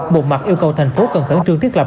một mặt yêu cầu thành phố cần khẩn trương thiết lập